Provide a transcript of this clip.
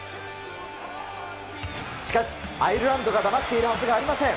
しかしアイルランドが黙っているはずがありません。